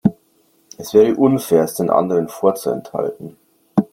Es wäre unfair, es den anderen vorzuenthalten.